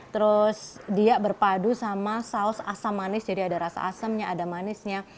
terus dia berpadu sama saus asam manis jadi ada rasa asemnya ada manisnya